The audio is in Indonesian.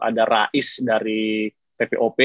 ada rais dari ppop